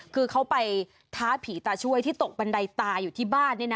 คือเขาไปท้าผีตาช่วยที่ตกบันไดตาอยู่ที่บ้าน